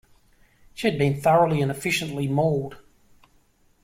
She had been thoroughly and efficiently mauled.